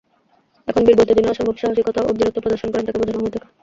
এখন বীর বলতে যিনি অসম্ভব সাহসিকতা ও বীরত্ব প্রদর্শন করেন তাকে বুঝানো হয়ে থাকে।